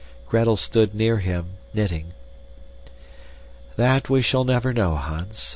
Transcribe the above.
Gretel stood near him, knitting. "That we shall never know, Hans.